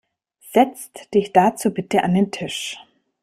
Setzt dich dazu bitte an den Tisch.